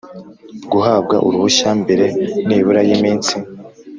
guhabwa uruhushya mbere nibura y iminsi